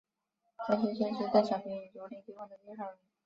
曾希圣是邓小平与卓琳结婚的介绍人。